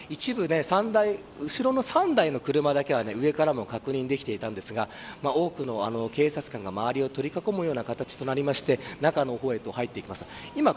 後ろの３台の車だけは上からも確認できていたんですが多くの警察官が周りを取り囲む形となって中の方へと入っていきます。